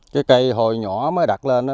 cái cây hồi nhỏ mới đặt lên đó